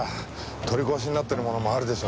取り壊しになってるものもあるでしょうね。